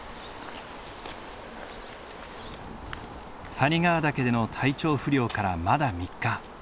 谷川岳での体調不良からまだ３日。